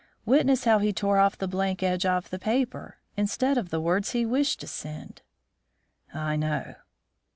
Witness how he tore off the blank edge of the paper, instead of the words he wished to send." "I know."